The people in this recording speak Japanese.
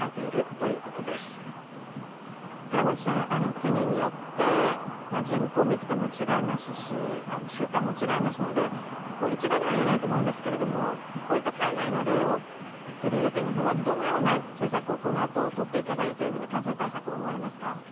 国によって人口密度も違いますし、習慣も違いますので一概には言えないと思うんですが、海外の例を取り入れて日本はどのような政策を今後、感染対策をとっていけばいいと思いますか？